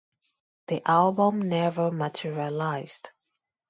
The album never materialized.